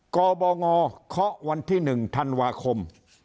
กบงเคาะวันที่๑ธันวาคม